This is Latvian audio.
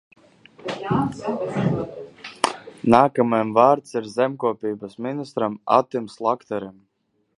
Nākamajam vārds ir zemkopības ministram Atim Slakterim.